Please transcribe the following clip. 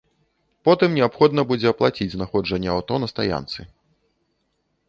Потым неабходна будзе аплаціць знаходжанне аўто на стаянцы.